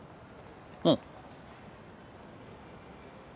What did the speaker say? うん。